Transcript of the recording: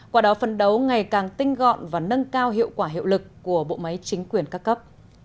qua đó phân đấu ngày càng tinh gọn và nâng cao hiệu quả hiệu lực của bộ máy chính quyền các cấp